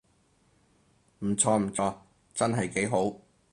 唔錯唔錯，真係幾好